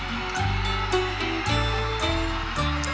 ดีใจบอกให้ผู้รู้